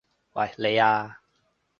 喂！你啊！